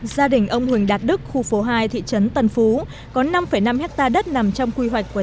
gia đình ông huỳnh đạt đức khu phố hai thị trấn tân phú có năm năm hectare đất nằm trong quy hoạch của